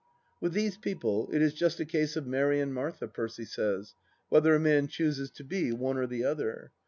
With these people, it is just a case of Mary and Martha, Percy says, whether a man chooses to be one or the other.